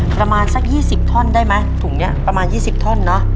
ประมาณสัก๒๐ท่อนได้ไหมถุงนี้ประมาณ๒๐ท่อนเนอะ